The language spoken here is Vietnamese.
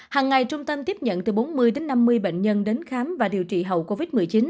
hằng ngày trung tâm tiếp nhận từ bốn mươi đến năm mươi bệnh nhân đến khám và điều trị hậu covid một mươi chín